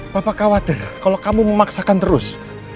bapak khawatir kalau kamu memaksakan terus